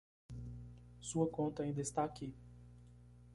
Sua conta ainda está aqui.